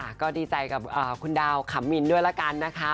ก็ดีใจกับคุณดาวขำมินด้วยละกันนะคะ